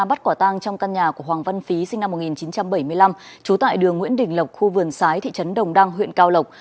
bắt quả tang trong căn nhà của hoàng văn phí sinh năm một nghìn chín trăm bảy mươi năm trú tại đường nguyễn đình lộc khu vườn sái thị trấn đồng đăng huyện cao lộc